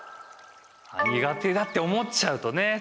苦手だって思っちゃうとね